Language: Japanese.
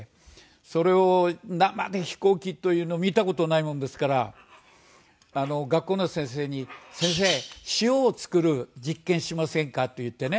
それを生で飛行機というのを見た事ないもんですから学校の先生に「先生塩を作る実験しませんか？」と言ってね